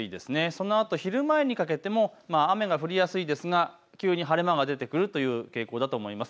その後、昼前にかけても雨が降りやすいですが急に晴れ間が出てくるという傾向だと思います。